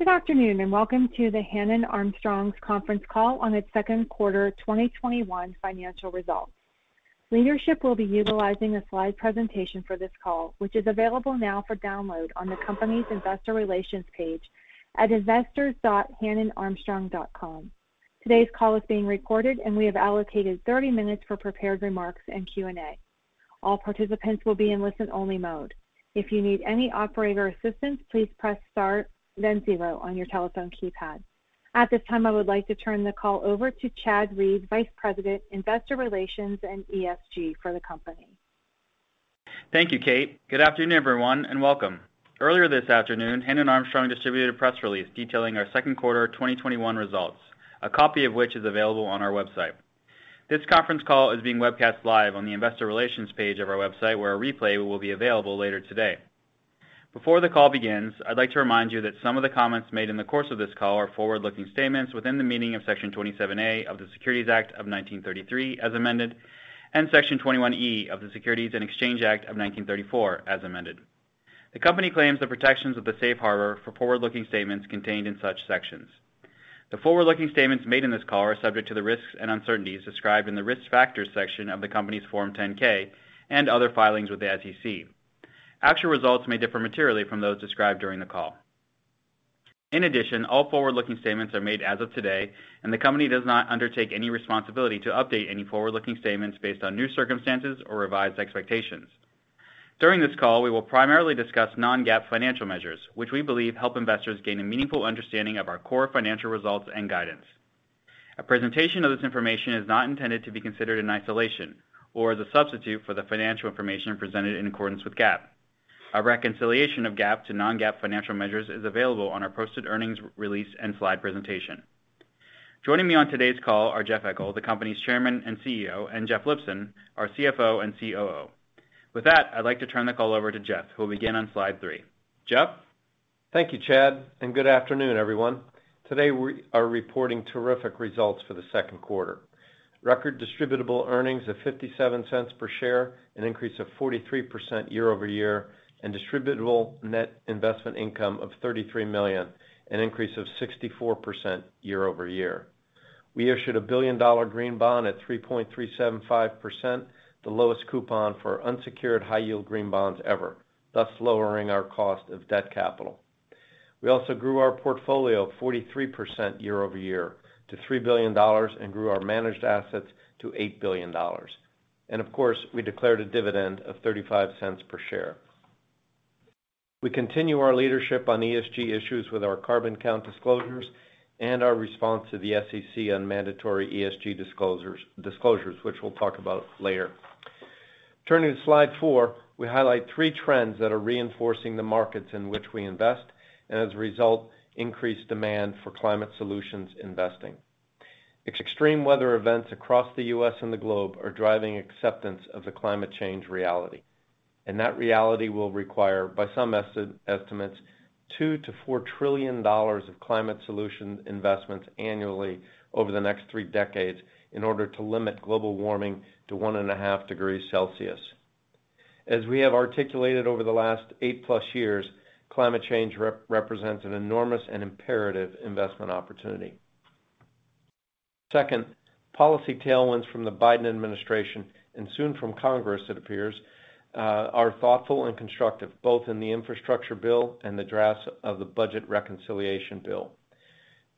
Good afternoon, and welcome to the Hannon Armstrong's Conference Call on its Second Quarter 2021 Financial Results. Leadership will be utilizing a slide presentation for this call, which is available now for download on the company's Investor Relations page at investors.hannonarmstrong.com. Today's call is being recorded, and we have allocated 30 minutes for prepared remarks and Q&A. All participants will be in listen-only mode. If you need any operator assistance please press star then zero on your telephone keypad. At this time, I would like to turn the call over to Chad Reed, Vice President, Investor Relations and ESG for the company. Thank you, Kate. Good afternoon, everyone, and welcome. Earlier this afternoon, Hannon Armstrong distributed a press release detailing our second quarter 2021 results, a copy of which is available on our website. This conference call is being webcast live on the Investor Relations page of our website, where a replay will be available later today. Before the call begins, I'd like to remind you that some of the comments made in the course of this call are forward-looking statements within the meaning of Section 27A of the Securities Act of 1933, as amended, and Section 21E of the Securities Exchange Act of 1934, as amended. The company claims the protections of the safe harbor for forward-looking statements contained in such sections. The forward-looking statements made in this call are subject to the risks and uncertainties described in the risk factors section of the company's Form 10-K and other filings with the SEC. Actual results may differ materially from those described during the call. In addition, all forward-looking statements are made as of today, and the company does not undertake any responsibility to update any forward-looking statements based on new circumstances or revised expectations. During this call, we will primarily discuss non-GAAP financial measures, which we believe help investors gain a meaningful understanding of our core financial results and guidance. A presentation of this information is not intended to be considered in isolation or as a substitute for the financial information presented in accordance with GAAP. A reconciliation of GAAP to non-GAAP financial measures is available on our posted earnings release and slide presentation. Joining me on today's call are Jeff Eckel, the company's Chairman and CEO, and Jeff Lipson, our CFO and COO. With that, I'd like to turn the call over to Jeff, who will begin on slide three. Jeff? Thank you, Chad. Good afternoon, everyone. Today, we are reporting terrific results for the second quarter. Record distributable earnings of $0.57 per share, an increase of 43% year-over-year, distributable net investment income of $33 million, an increase of 64% year-over-year. We issued a $1 billion green bond at 3.375%, the lowest coupon for unsecured high-yield green bonds ever, thus lowering our cost of debt capital. We also grew our portfolio up 43% year-over-year to $3 billion, grew our managed assets to $8 billion. Of course, we declared a dividend of $0.35 per share. We continue our leadership on ESG issues with our CarbonCount disclosures and our response to the SEC on mandatory ESG disclosures, which we'll talk about later. Turning to slide four, we highlight three trends that are reinforcing the markets in which we invest, and as a result, increased demand for climate solutions investing. Extreme weather events across the U.S. and the globe are driving acceptance of the climate change reality, and that reality will require, by some estimates, $2 trillion-$4 trillion of climate solution investments annually over the next three decades in order to limit global warming to 1.5 degrees Celsius. As we have articulated over the last 8+ years, climate change represents an enormous and imperative investment opportunity. Second, policy tailwinds from the Biden administration, and soon from Congress, it appears, are thoughtful and constructive, both in the infrastructure bill and the drafts of the budget reconciliation bill.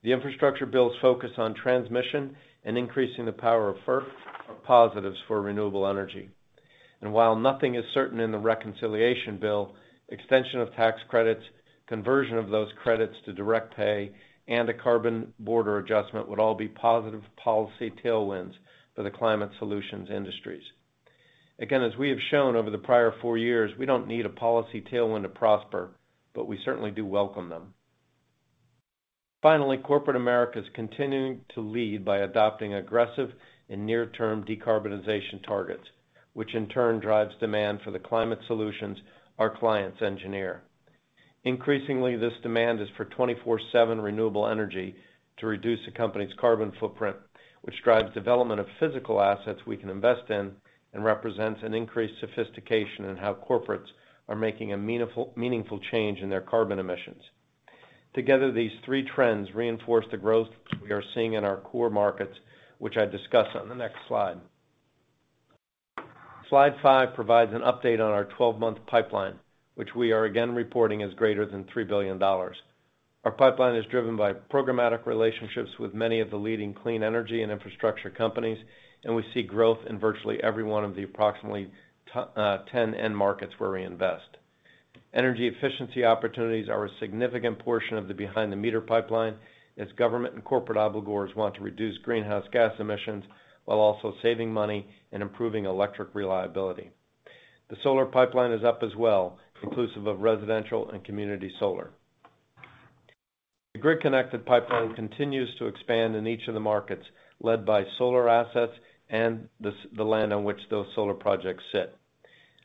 The infrastructure bill's focus on transmission and increasing the power of FERC are positives for renewable energy. While nothing is certain in the reconciliation bill, extension of tax credits, conversion of those credits to direct pay, and a carbon border adjustment would all be positive policy tailwinds for the climate solutions industries. Again, as we have shown over the prior four years, we don't need a policy tailwind to prosper, but we certainly do welcome them. Finally, corporate America is continuing to lead by adopting aggressive and near-term decarbonization targets, which in turn drives demand for the climate solutions our clients engineer. Increasingly, this demand is for 24/7 renewable energy to reduce a company's carbon footprint, which drives development of physical assets we can invest in and represents an increased sophistication in how corporates are making a meaningful change in their carbon emissions. Together, these three trends reinforce the growth we are seeing in our core markets, which I discuss on the next slide. Slide five provides an update on our 12-month pipeline, which we are again reporting is greater than $3 billion. Our pipeline is driven by programmatic relationships with many of the leading clean energy and infrastructure companies, and we see growth in virtually every one of the approximately 10 end markets where we invest. Energy efficiency opportunities are a significant portion of the behind-the-meter pipeline as government and corporate obligors want to reduce greenhouse gas emissions while also saving money and improving electric reliability. The solar pipeline is up as well, inclusive of residential and community solar. The grid-connected pipeline continues to expand in each of the markets led by solar assets and the land on which those solar projects sit.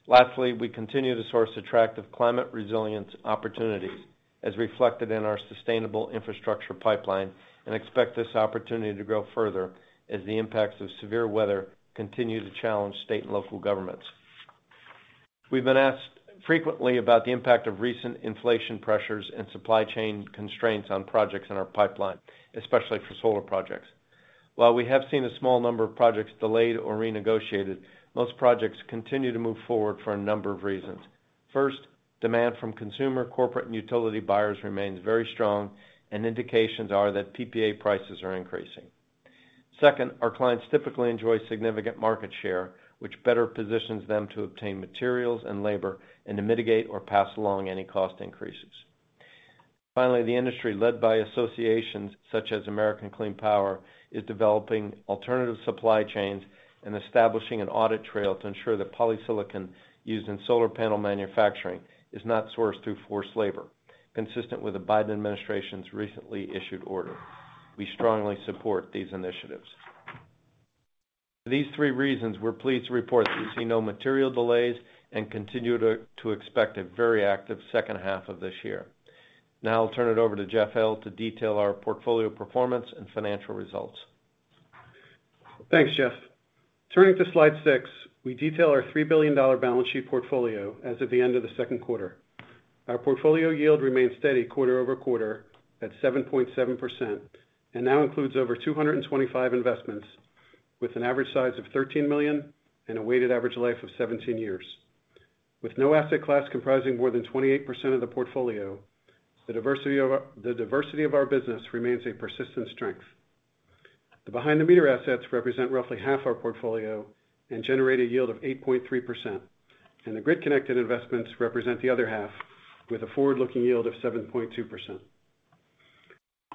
Lastly, we continue to source attractive climate resilience opportunities as reflected in our sustainable infrastructure pipeline and expect this opportunity to grow further as the impacts of severe weather continue to challenge state and local governments. We've been asked frequently about the impact of recent inflation pressures and supply chain constraints on projects in our pipeline, especially for solar projects. While we have seen a small number of projects delayed or renegotiated, most projects continue to move forward for a number of reasons. First, demand from consumer, corporate, and utility buyers remains very strong, and indications are that PPA prices are increasing. Second, our clients typically enjoy significant market share, which better positions them to obtain materials and labor, and to mitigate or pass along any cost increases. The industry led by associations such as American Clean Power, is developing alternative supply chains and establishing an audit trail to ensure that polysilicon used in solar panel manufacturing is not sourced through forced labor, consistent with the Biden administration's recently issued order. We strongly support these initiatives. For these three reasons, we're pleased to report that we see no material delays and continue to expect a very active second half of this year. I'll turn it over to Jeff L. to detail our portfolio performance and financial results. Thanks, Jeff. Turning to slide six, we detail our $3 billion balance sheet portfolio as of the end of the second quarter. Our portfolio yield remains steady quarter-over-quarter at 7.7%, and now includes over 225 investments with an average size of $13 million and a weighted average life of 17 years. With no asset class comprising more than 28% of the portfolio, the diversity of our business remains a persistent strength. The behind-the-meter assets represent roughly half our portfolio and generate a yield of 8.3%, and the grid-connected investments represent the other half with a forward-looking yield of 7.2%.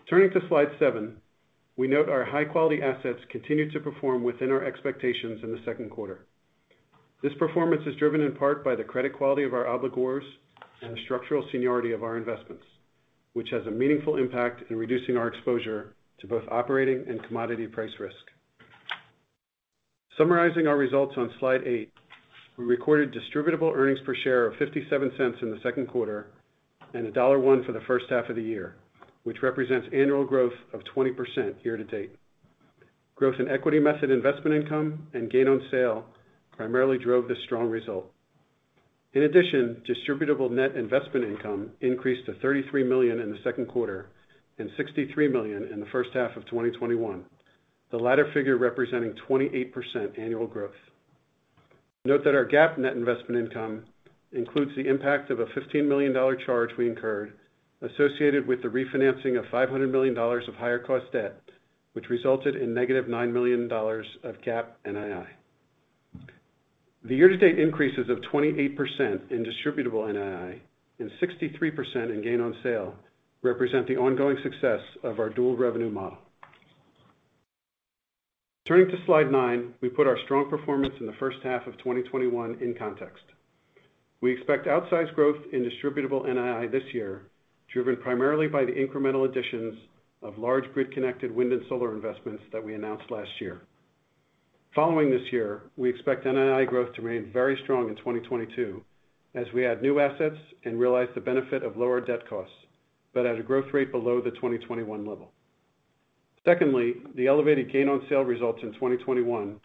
Turning to slide seven, we note our high-quality assets continued to perform within our expectations in the second quarter. This performance is driven in part by the credit quality of our obligors and the structural seniority of our investments, which has a meaningful impact in reducing our exposure to both operating and commodity price risk. Summarizing our results on slide eight, we recorded distributable earnings per share of $0.57 in the second quarter and $1.01 for the first half of the year, which represents annual growth of 20% year-to-date. Growth in equity method investment income and gain on sale primarily drove this strong result. In addition, distributable net investment income increased to $33 million in the second quarter and $63 million in the first half of 2021, the latter figure representing 28% annual growth. Note that our GAAP net investment income includes the impact of a $15 million charge we incurred associated with the refinancing of $500 million of higher cost debt, which resulted in $-9 million of GAAP NII. The year-to-date increases of 28% in distributable NII and 63% in gain on sale represent the ongoing success of our dual revenue model. Turning to slide nine, we put our strong performance in the first half of 2021 in context. We expect outsized growth in distributable NII this year, driven primarily by the incremental additions of large grid-connected wind and solar investments that we announced last year. Following this year, we expect NII growth to remain very strong in 2022 as we add new assets and realize the benefit of lower debt costs, but at a growth rate below the 2021 level. The elevated gain on sale results in 2021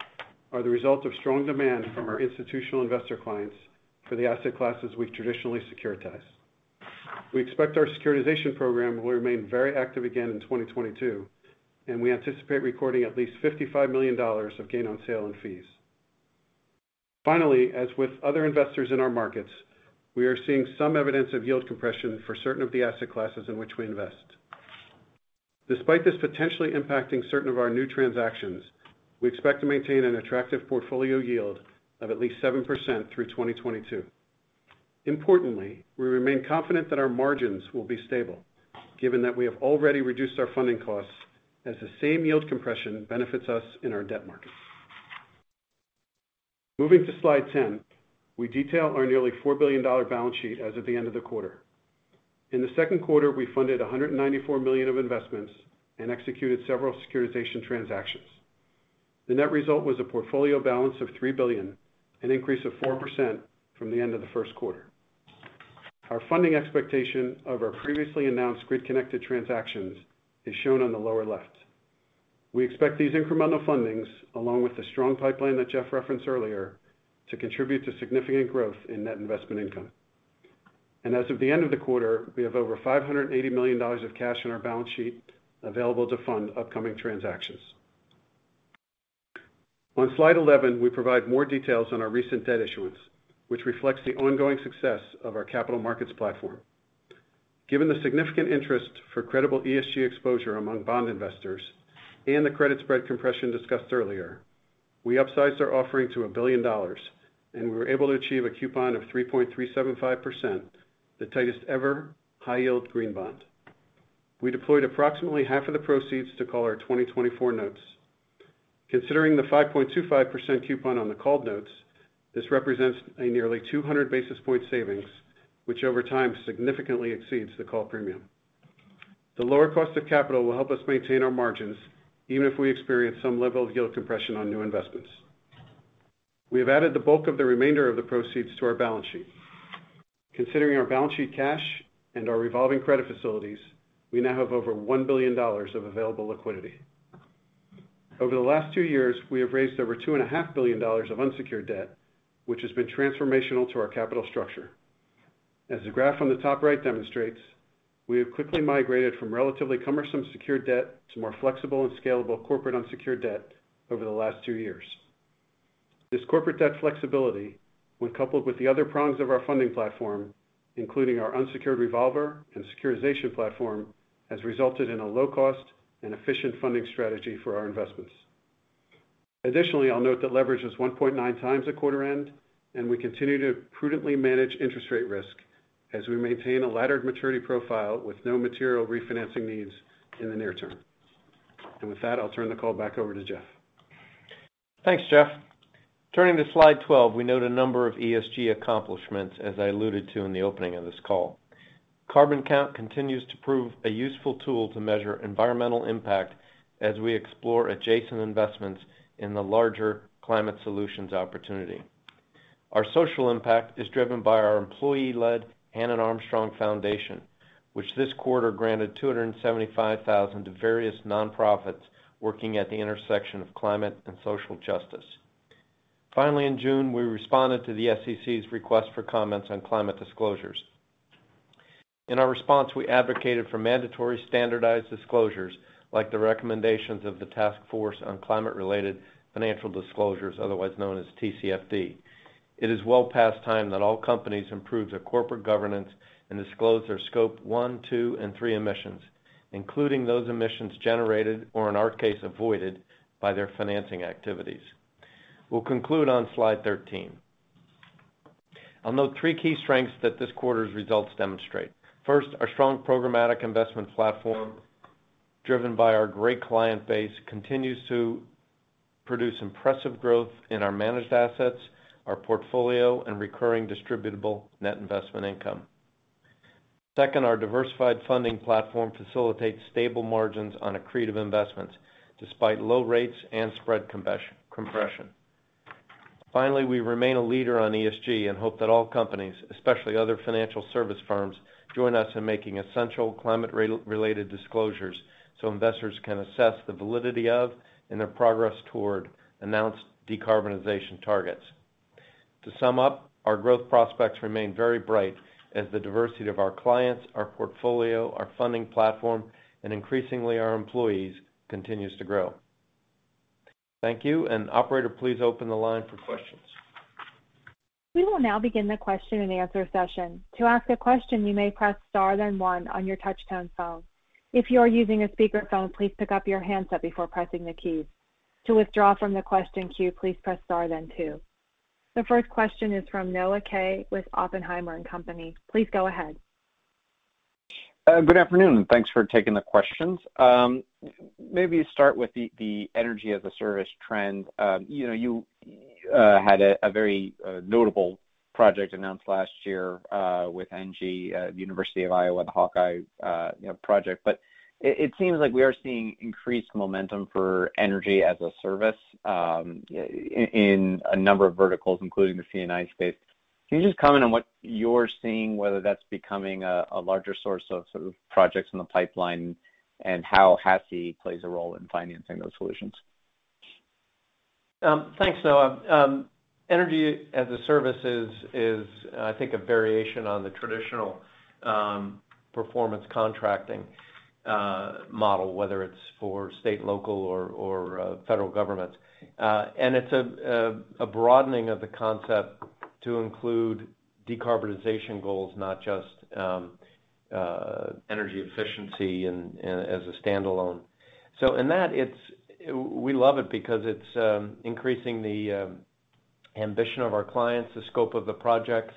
are the result of strong demand from our institutional investor clients for the asset classes we traditionally securitize. We expect our securitization program will remain very active again in 2022, and we anticipate recording at least $55 million of gain on sale and fees. As with other investors in our markets, we are seeing some evidence of yield compression for certain of the asset classes in which we invest. Despite this potentially impacting certain of our new transactions, we expect to maintain an attractive portfolio yield of at least 7% through 2022. We remain confident that our margins will be stable given that we have already reduced our funding costs as the same yield compression benefits us in our debt markets. Moving to slide 10, we detail our nearly $4 billion balance sheet as of the end of the quarter. In the second quarter, we funded $194 million of investments and executed several securitization transactions. The net result was a portfolio balance of $3 billion, an increase of 4% from the end of the first quarter. Our funding expectation of our previously announced grid-connected transactions is shown on the lower left. We expect these incremental fundings, along with the strong pipeline that Jeff referenced earlier, to contribute to significant growth in net investment income. As of the end of the quarter, we have over $580 million of cash on our balance sheet available to fund upcoming transactions. On slide 11, we provide more details on our recent debt issuance, which reflects the ongoing success of our capital markets platform. Given the significant interest for credible ESG exposure among bond investors and the credit spread compression discussed earlier, we upsized our offering to $1 billion. We were able to achieve a coupon of 3.375%, the tightest ever high-yield green bond. We deployed approximately half of the proceeds to call our 2024 notes. Considering the 5.25% coupon on the called notes, this represents a nearly 200 basis point savings, which over time significantly exceeds the call premium. The lower cost of capital will help us maintain our margins even if we experience some level of yield compression on new investments. We have added the bulk of the remainder of the proceeds to our balance sheet. Considering our balance sheet cash and our revolving credit facilities, we now have over $1 billion of available liquidity. Over the last two years, we have raised over $2.5 billion of unsecured debt, which has been transformational to our capital structure. As the graph on the top right demonstrates, we have quickly migrated from relatively cumbersome secured debt to more flexible and scalable corporate unsecured debt over the last two years. This corporate debt flexibility, when coupled with the other prongs of our funding platform, including our unsecured revolver and securitization platform, has resulted in a low-cost and efficient funding strategy for our investments. Additionally, I'll note that leverage is 1.9x at quarter end, and we continue to prudently manage interest rate risk as we maintain a laddered maturity profile with no material refinancing needs in the near term. With that, I'll turn the call back over to Jeff. Thanks, Jeff. Turning to slide 12, we note a number of ESG accomplishments, as I alluded to in the opening of this call. CarbonCount continues to prove a useful tool to measure environmental impact as we explore adjacent investments in the larger climate solutions opportunity. Our social impact is driven by our employee-led Hannon Armstrong Foundation, which this quarter granted $275,000 to various nonprofits working at the intersection of climate and social justice. In June, we responded to the SEC's request for comments on climate disclosures. In our response, we advocated for mandatory standardized disclosures like the recommendations of the Task Force on Climate-related Financial Disclosures, otherwise known as TCFD. It is well past time that all companies improve their corporate governance and disclose their Scope 1, 2, and 3 emissions, including those emissions generated, or in our case, avoided, by their financing activities. We'll conclude on slide 13. I'll note three key strengths that this quarter's results demonstrate. First, our strong programmatic investment platform, driven by our great client base, continues to produce impressive growth in our managed assets, our portfolio, and recurring distributable net investment income. Second, our diversified funding platform facilitates stable margins on accretive investments despite low rates and spread compression. Finally, we remain a leader on ESG and hope that all companies, especially other financial service firms, join us in making essential climate-related disclosures so investors can assess the validity of and their progress toward announced decarbonization targets. To sum up, our growth prospects remain very bright as the diversity of our clients, our portfolio, our funding platform, and increasingly our employees, continues to grow. Thank you, and operator, please open the line for questions. We will now begin the question-and-answer session. To ask a question you may press star then one on your touch-tone phone. If you're using a speakerphone please pick up your handset before pressing the keys. To withdraw from the question queue please press star then two. The first question is from Noah Kaye with Oppenheimer & Company. Please go ahead. Good afternoon. Thanks for taking the questions. Maybe start with the Energy-as-a-Service trend. You had a very notable project announced last year, with ENGIE, University of Iowa, the Hawkeye project. It seems like we are seeing increased momentum for Energy-as-a-Service in a number of verticals, including the C&I space. Can you just comment on what you're seeing, whether that's becoming a larger source of sort of projects in the pipeline, and how HASI plays a role in financing those solutions? Thanks, Noah. Energy-as-a-Service is, I think, a variation on the traditional performance contracting model, whether it's for state, local, or federal governments. It's a broadening of the concept to include decarbonization goals, not just energy efficiency as a standalone. In that, we love it because it's increasing the ambition of our clients, the scope of the projects,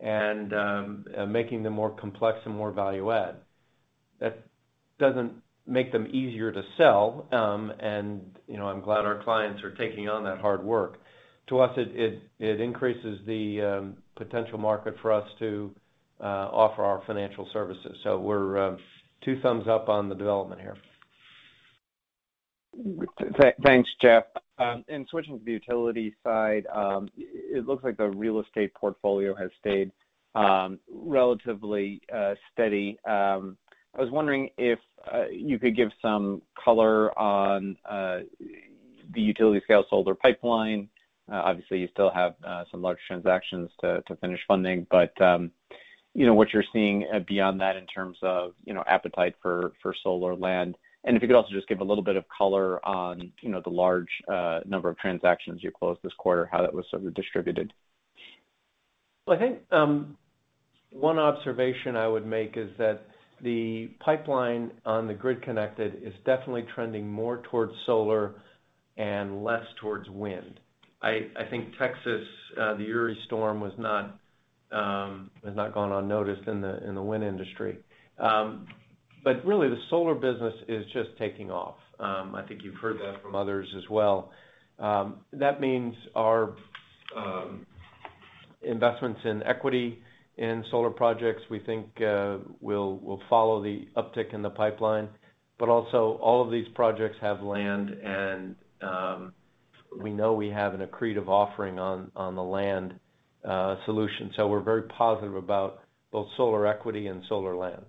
and making them more complex and more value add. That doesn't make them easier to sell, and I'm glad our clients are taking on that hard work. To us, it increases the potential market for us to offer our financial services. We're two thumbs up on the development here. Thanks, Jeff. In switching to the utility side, it looks like the real estate portfolio has stayed relatively steady. I was wondering if you could give some color on the utility scale solar pipeline. Obviously, you still have some large transactions to finish funding, but what you're seeing beyond that in terms of appetite for solar land. If you could also just give a little bit of color on the large number of transactions you closed this quarter, how that was sort of distributed? Well, I think one observation I would make is that the pipeline on the grid-connected is definitely trending more towards solar and less towards wind. I think Texas, the Uri storm, has not gone unnoticed in the wind industry. Really, the solar business is just taking off. I think you've heard that from others as well. That means our investments in equity in solar projects, we think, will follow the uptick in the pipeline. Also, all of these projects have land, and we know we have an accretive offering on the land solution. We're very positive about both solar equity and solar land.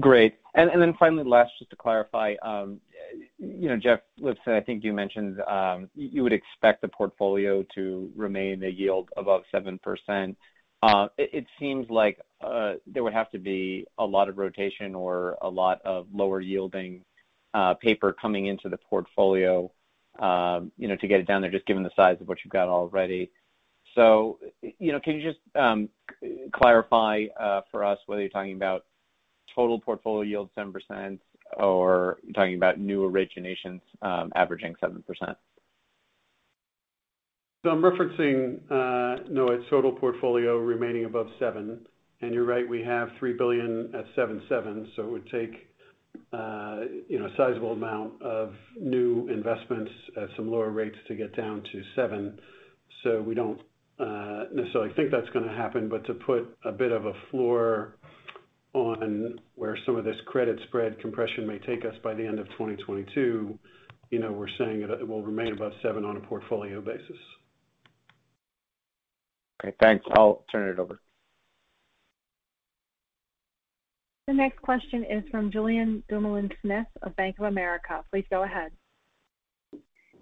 Great. Finally, last, just to clarify. Jeff Lipson, I think you mentioned you would expect the portfolio to remain a yield above 7%. It seems like there would have to be a lot of rotation or a lot of lower yielding paper coming into the portfolio to get it down there, just given the size of what you've got already. Can you just clarify for us whether you're talking about total portfolio yield 7% or you're talking about new originations averaging 7%? I'm referencing, no, its total portfolio remaining above 7%. You're right, we have $3 billion at 7.7%. It would take a sizable amount of new investments at some lower rates to get down to 7%. We don't necessarily think that's going to happen. To put a bit of a floor on where some of this credit spread compression may take us by the end of 2022, we're saying it will remain above 7% on a portfolio basis. Okay, thanks. I'll turn it over. The next question is from Julien Dumoulin-Smith of Bank of America. Please go ahead.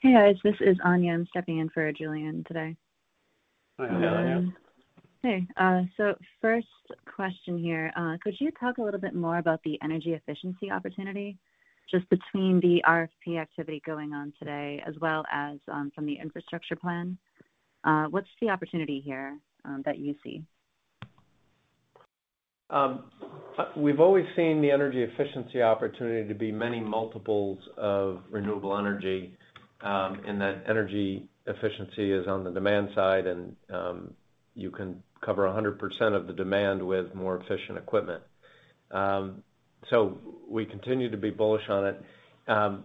Hey, guys. This is Anya. I'm stepping in for Julien today. Hi, Anya. Hey. First question here. Could you talk a little bit more about the energy efficiency opportunity, just between the RFP activity going on today as well as from the infrastructure plan? What's the opportunity here that you see? We've always seen the energy efficiency opportunity to be many multiples of renewable energy, in that energy efficiency is on the demand side, and you can cover 100% of the demand with more efficient equipment. We continue to be bullish on it.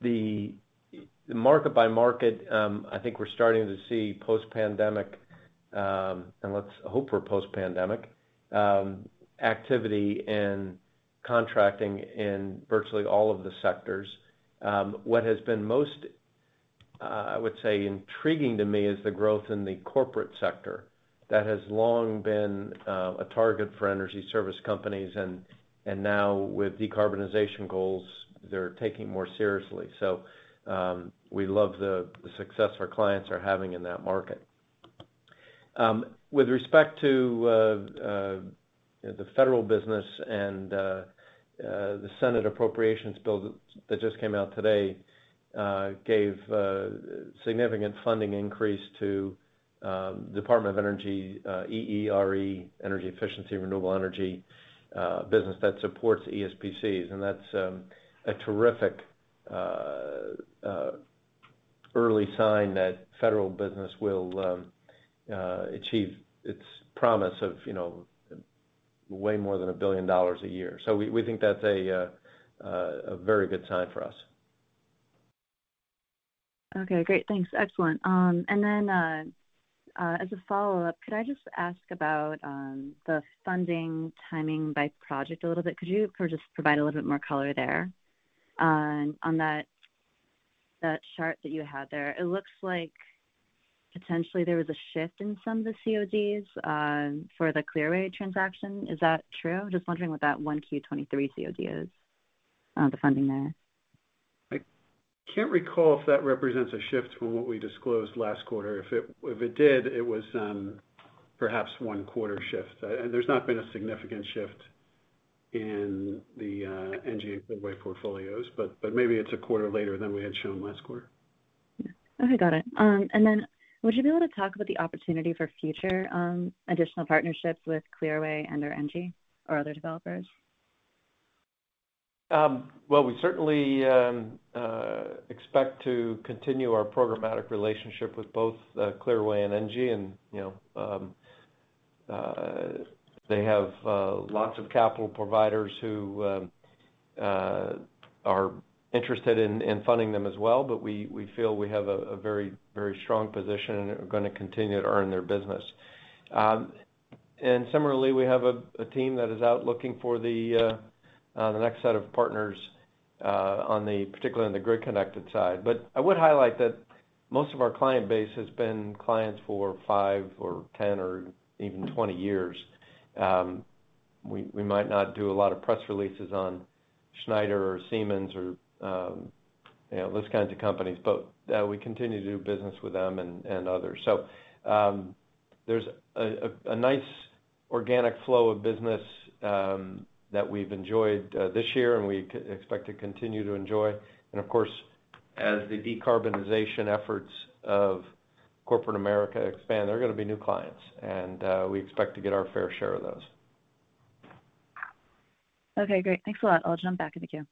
The market by market, I think we're starting to see post-pandemic, and let's hope we're post-pandemic, activity in contracting in virtually all of the sectors. What has been most, I would say, intriguing to me is the growth in the corporate sector. That has long been a target for energy service companies, and now with decarbonization goals, they're taking it more seriously. We love the success our clients are having in that market. With respect to the federal business and the Senate appropriations bill that just came out today gave a significant funding increase to Department of Energy, EERE, Energy Efficiency Renewable Energy business that supports ESPCs. That's a terrific early sign that federal business will achieve its promise of way more than $1 billion a year. We think that's a very good sign for us. Okay, great. Thanks. Excellent. Then as a follow-up, could I just ask about the funding timing by project a little bit? Could you just provide a little bit more color there? On that chart that you had there, it looks like potentially there was a shift in some of the CODs for the Clearway transaction. Is that true? I'm just wondering what that 1 Q23 COD is, the funding there. I can't recall if that represents a shift from what we disclosed last quarter. If it did, it was perhaps 1 quarter shift. There's not been a significant shift in the ENGIE and Clearway portfolios, but maybe it's a quarter later than we had shown last quarter. Okay, got it. Then would you be able to talk about the opportunity for future additional partnerships with Clearway and/or ENGIE or other developers? Well, we certainly expect to continue our programmatic relationship with both Clearway and ENGIE. They have lots of capital providers who are interested in funding them as well. We feel we have a very strong position and are going to continue to earn their business. Similarly, we have a team that is out looking for the next set of partners, particularly on the grid connected side. I would highlight that most of our client base has been clients for five years or 10 years or even 20 years. We might not do a lot of press releases on Schneider or Siemens or those kinds of companies, but we continue to do business with them and others. There's a nice organic flow of business that we've enjoyed this year and we expect to continue to enjoy. Of course, as the decarbonization efforts of corporate America expand, there are going to be new clients, and we expect to get our fair share of those. Okay, great. Thanks a lot. I'll jump back in the queue.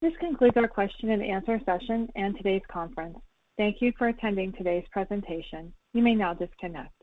This concludes our question-and-answer session and today's conference. Thank you for attending today's presentation. You may now disconnect.